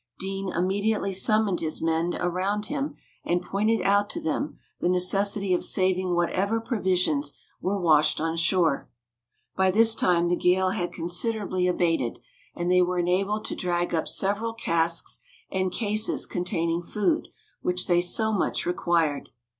Deane immediately summoned his men around him, and pointed out to them the necessity of saving whatever provisions were washed on shore. By this time the gale had considerably abated, and they were enabled to drag up several casks and cases containing food, which they so much required.